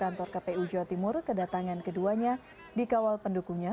wakil gubernur ke kantor kpu jawa timur kedatangan keduanya dikawal pendukungnya